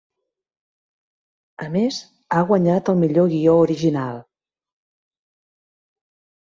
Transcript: A més, ha guanyat el millor guió original.